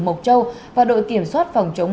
mộc châu và đội kiểm soát phòng chống